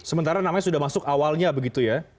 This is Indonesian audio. sementara namanya sudah masuk awalnya begitu ya